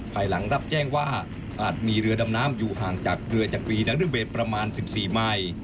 ภายหลังรับแจ้งว่าอาจมีเรือดำน้ำอยู่ห่างจากเรือจากปีนรเบศประมาณ๑๔ไมล์